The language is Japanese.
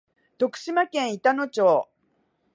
徳島県板野町